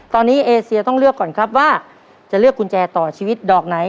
ตอนนี้เอเซียต้องเลือกก่อนครับว่าจะเลือกกุญแจต่อชีวิตดอกไหน